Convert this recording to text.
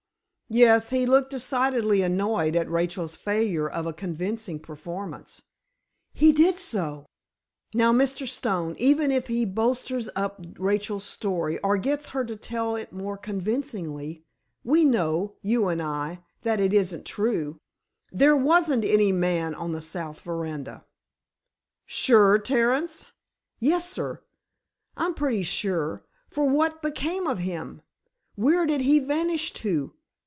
"Yes, he looked decidedly annoyed at Rachel's failure of a convincing performance." "He did so! Now, Mr. Stone, even if he bolsters up Rachel's story or gets her to tell it more convincingly—we know, you and I, that it isn't true. There wasn't any man on the south veranda." "Sure, Terence?" "Yessir, I'm pretty sure. For, what became of him? Where did he vanish to?